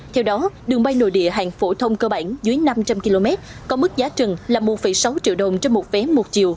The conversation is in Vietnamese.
theo đó đường bay nội địa hàng phổ thông cơ bản dưới năm trăm linh km có mức giá trần là một sáu triệu đồng trên một vé một chiều